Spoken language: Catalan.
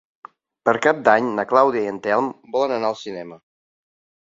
Per Cap d'Any na Clàudia i en Telm volen anar al cinema.